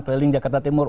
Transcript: keliling jakarta timur